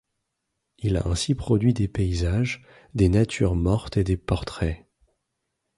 Il a ainsi produit des paysages, des natures mortes et des portraits.